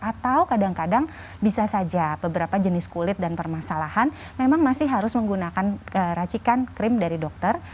atau kadang kadang bisa saja beberapa jenis kulit dan permasalahan memang masih harus menggunakan racikan krim dari dokter